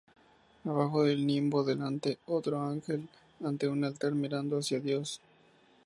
Abajo del nimbo delante, otro ángel ante un altar mirando hacia Dios.